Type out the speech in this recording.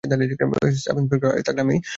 Sub inspector আশেপাশে থাকলে যাবি না।